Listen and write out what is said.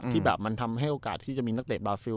ที่แบบมันทำให้โอกาสที่จะมีนักเตะบาฟิล